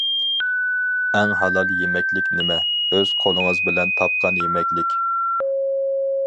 ئەڭ ھالال يېمەكلىك نېمە؟ ئۆز قولىڭىز بىلەن تاپقان يېمەكلىك.